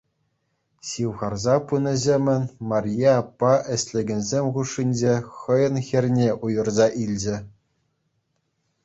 Ҫывхарса пынӑ ҫемӗн Марье аппа ӗҫлекенсем хушшинче хӑйӗн хӗрне уйӑрса илчӗ.